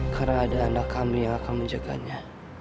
karena ada anak kami yang akan menjaganya